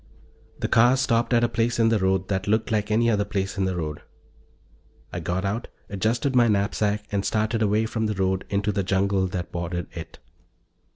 The car stopped at a place in the road that looked like any other place in the road. I got out, adjusted my knapsack and started away from the road, into the jungle that bordered it.